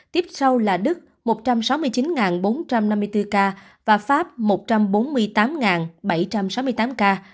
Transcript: tiếp sau là đức một trăm sáu mươi chín bốn trăm năm mươi bốn ca và pháp một trăm bốn mươi tám bảy trăm sáu mươi tám ca